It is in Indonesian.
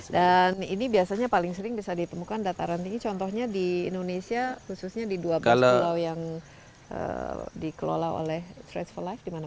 dan ini biasanya paling sering bisa ditemukan dataran tinggi contohnya di indonesia khususnya di dua belas pulau yang dikelola oleh strides for life